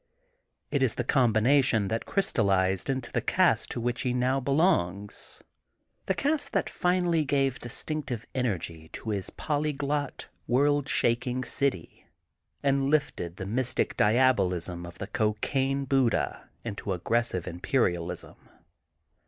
It is the combina tion that crystallized into the caste to which he now belongs, the caste that finally gave distinctive energy to his polyglot, world shaking city, and lifted the mystic diabolism of the Cocaine Buddha into aggressive im perialism.